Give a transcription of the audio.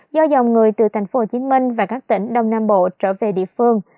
do dòng người từ tp hcm và các tỉnh đông nam bộ trở về địa phương